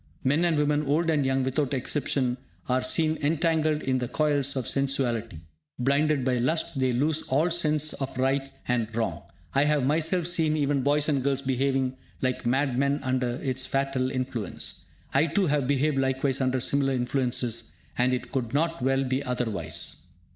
Men and women, old and young, without exception, are seen entangled in the coils of sensuality. Blinded by lust, they lose all sense of right and wrong. I have myself seen even boys and girls behaving like mad men under its fatal influence. I too have behaved likewise under similar influences, and it could not well be otherwise.